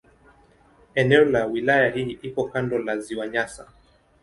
Eneo la wilaya hii liko kando la Ziwa Nyasa.